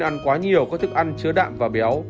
ăn quá nhiều các thức ăn chứa đạm và béo